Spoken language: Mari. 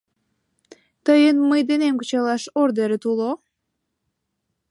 Тыйын мый денем кычалаш ордерет уло?